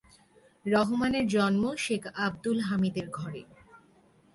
রহমানের জন্ম শেখ আবদুল হামিদের ঘরে।